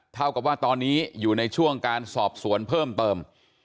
เท่ากับว่าตอนนี้อยู่ในช่วงการสอบสวนเพิ่มเติม